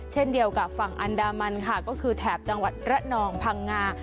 เช่นเดียวกับฝั่งอันดามันค่ะก็คือแถบจังหวัดระนองพังงา